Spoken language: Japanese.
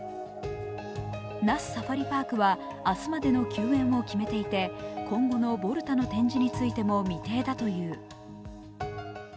那須サファリパークは、明日までの休園を決めていて、今後のボルタの展示についても未定だという。